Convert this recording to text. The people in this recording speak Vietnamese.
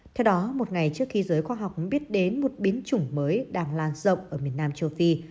theo đó một ngày trước khi giới khoa học biết đến một biến chủng mới đang lan rộng ở miền nam châu phi